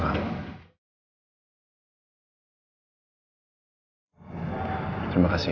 tapi yang paling baik adalah